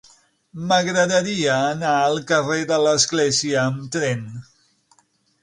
M'agradaria anar al carrer de l'Església amb tren.